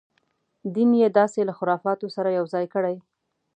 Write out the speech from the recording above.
دین یې داسې له خرافاتو سره یو ځای کړی.